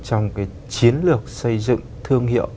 trong chiến lược xây dựng thương hiệu